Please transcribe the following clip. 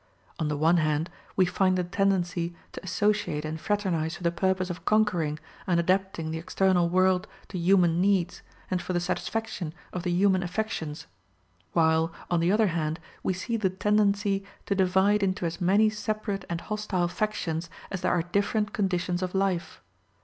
On the one hand, we find the tendency to associate and fraternize for the purpose of conquering and adapting the external world to human needs, and for the satisfaction of the human affections; while, on the other hand we see the tendency to divide into as many separate and hostile factions as there are different conditions of life.